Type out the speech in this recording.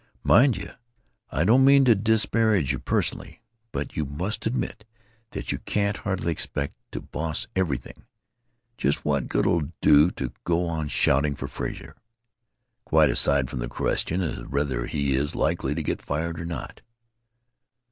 "Mind you, I don't mean to disparage you personally, but you must admit that you can't hardly expect to boss everything. Just what good 'll it do to go on shouting for Frazer? Quite aside from the question of whether he is likely to get fired or not."